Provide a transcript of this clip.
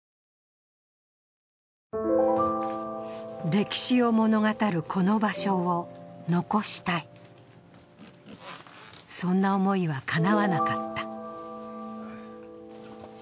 歴史を物語るこの場所を残したい、そんな思いはかなわなかった。